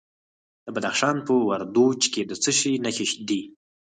د بدخشان په وردوج کې د څه شي نښې دي؟